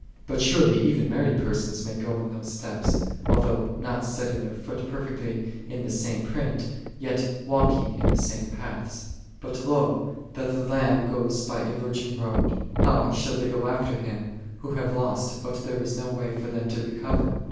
But surely even married persons may go in those steps, although not setting their foot perfectly in the same print, 8 yet walking in the same paths. 29. But, lo, That Lamb goeth by a Virgin road, how shall they go after Him, who have lost what there is no way for them to re cover?